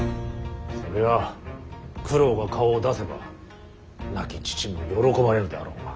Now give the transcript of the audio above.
それは九郎が顔を出せば亡き父も喜ばれるであろうが。